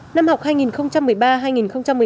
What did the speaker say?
năm học hai nghìn một mươi ba hai nghìn một mươi chín